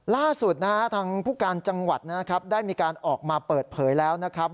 ล่าสุดนะฮะทางผู้การจังหวัดนะครับได้มีการออกมาเปิดเผยแล้วนะครับ